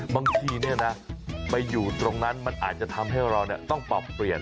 บางทีไปอยู่ตรงนั้นมันอาจจะทำให้เราต้องปรับเปลี่ยน